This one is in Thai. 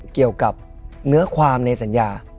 เกี่ยวกับเนื้อความในสัญญา